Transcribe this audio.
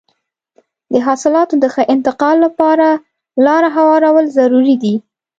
د حاصلاتو د ښه انتقال لپاره لاره هوارول ضروري دي.